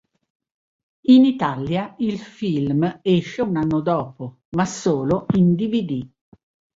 In Italia il film esce un anno dopo, ma solo in dvd.